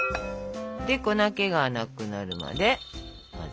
で粉けがなくなるまで混ぜますと。